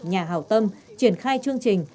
nhà hào tâm triển khai chương trình